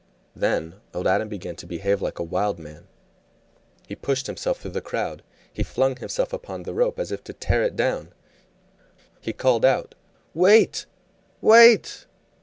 Then old Adam began to behave like a wild man. He pushed himself through the crowd, he flung himself upon the rope as though to tear it down, he called out, "Wait! wait!"